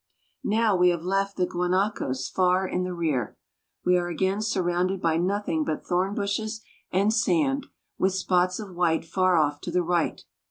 Now we have left the guanacos far in the rear. We are again surrounded by nothing but thorn bushes and sand, with spots of white far off" to the right.